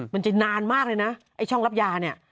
มันจะนานมากเลยนะไอ้ช่องรับยาเนี่ย